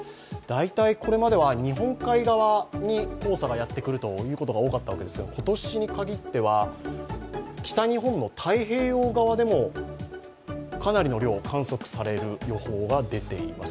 大体これまでは日本海側に黄砂がやってくることが多かったわけですけれども、今年に限っては北日本の太平洋側でもかなりの量、観測される予想がされています。